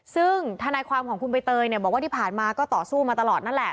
ซึ่งธนายความของคุณใบเตยเนี่ยบอกว่าที่ผ่านมาก็ต่อสู้มาตลอดนั่นแหละ